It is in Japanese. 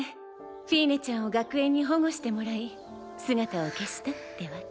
フィーネちゃんを学園に保護してもらい姿を消したってわけ。